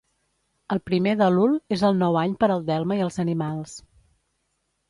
El primer d'Elul és el nou any per al delme i els animals.